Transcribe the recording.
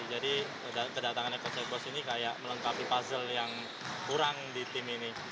jadi kedatangannya ke cepos ini kayak melengkapi puzzle yang kurang di tim ini